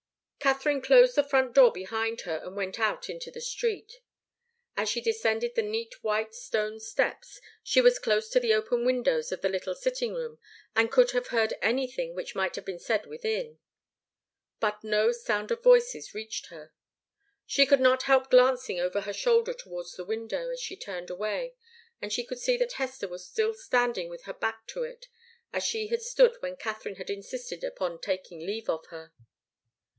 Katharine closed the front door behind her and went out into the street. As she descended the neat white stone steps she was close to the open windows of the little sitting room and could have heard anything which might have been said within. But no sound of voices reached her. She could not help glancing over her shoulder towards the window, as she turned away, and she could see that Hester was still standing with her back to it, as she had stood when Katharine had insisted upon taking leave of her.